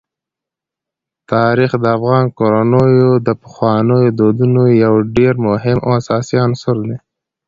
تاریخ د افغان کورنیو د پخوانیو دودونو یو ډېر مهم او اساسي عنصر دی.